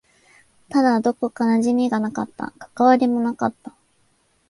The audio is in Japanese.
ただ、どこか馴染みがなかった。関わりもなかった。